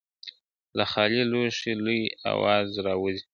¬ له خالي لوښي لوی اواز راوزي.